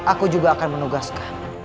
aku juga akan menugaskan